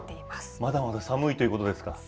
まだまだ寒いということですか。